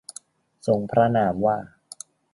ทรงพระนามว่า